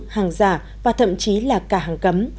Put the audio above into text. hàng giả và thậm chí là cả hàng cấm